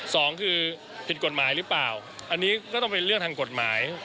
สองคือผิดกฎหมายหรือเปล่าอันนี้ก็ต้องเป็นเรื่องทางกฎหมาย